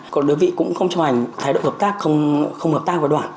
còn đơn vị cũng không chấp hành thái độ hợp tác không hợp tác với đoàn